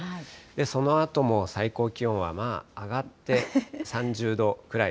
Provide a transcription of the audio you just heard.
そのあとも最高気温はまあ上がって３０度くらい。